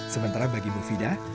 sementara bagi mufidah